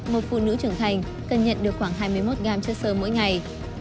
một phụ nữ trưởng thành cần nhận được khoảng hai mươi một gram chất sơ mỗi ngày